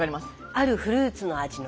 あるフルーツの味の。